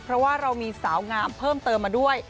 เพราะว่าเรามีสาวงามเพิ่มเติมมาด้วย